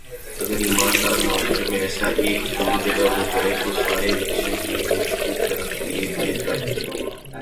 اگر ایماندار معاشرے میں ایسا ایک دو جگہ ہو جائے تو سارے الیکشن ہی مشکوک قرار دے دیئے جائیں گے